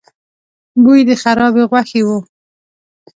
بوی د خرابې غوښې و.